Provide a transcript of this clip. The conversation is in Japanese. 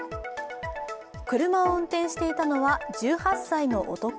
車を運転していたのは１８歳の男。